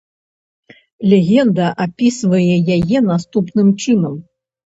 Легенда апісвае яе наступным чынам.